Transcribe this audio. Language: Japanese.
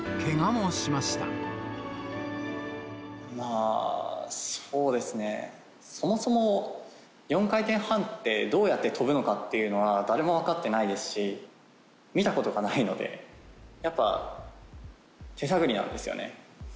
まあ、そうですね、そもそも４回転半って、どうやって跳ぶのかっていうのは、誰も分かってないですし、見たことがないので、やっぱ手探りなんですよね。